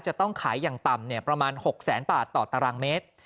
จะต้องขายอย่างต่ำประมาณ๖แสนบาทต่อตารางเมตร